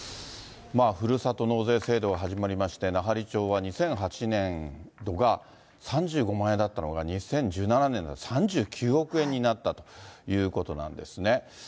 ふるさと納税制度が始まりまして、奈半利町は２００８年度が３５万円だったのが２０１７年度は３９億円になったということなんですね。